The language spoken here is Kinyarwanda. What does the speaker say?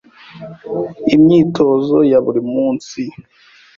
Imyitozo ya buri munsi.